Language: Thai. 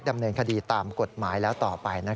ดำเนินคดีตามกฎหมายแล้วต่อไป